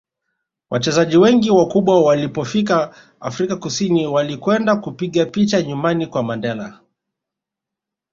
wachezaji wengi wakubwa walipofika afrika kusini walikwenda kupiga picha nyumbani kwa mandela